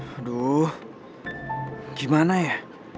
aduh gimana ya